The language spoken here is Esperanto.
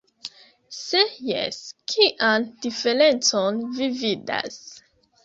Se jes, kian diferencon vi vidas?